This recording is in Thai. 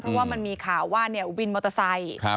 เพราะว่ามันมีข่าวว่าวินมอเตอร์ไซค์